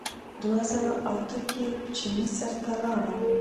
دوه زره اته کې چې مصر ته لاړم.